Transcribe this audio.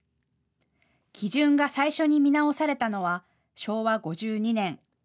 基準が最初に見直されたのは昭和５２年。